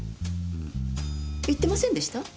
言ってませんでした？